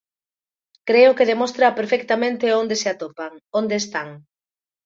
Creo que demostra perfectamente onde se atopan, onde están.